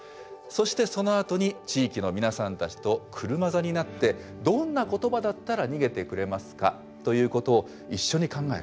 そしてそのあとに地域の皆さんたちと車座になって「どんな言葉だったら逃げてくれますか」ということを一緒に考える。